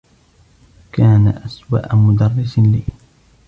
كان أسوء مدرّس لي.